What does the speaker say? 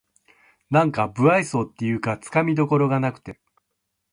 なんか無愛想っていうかつかみどころがなくて